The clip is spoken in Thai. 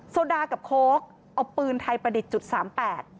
โซดากับโค๊กเอาปืนไทยประดิษฐ์๓๘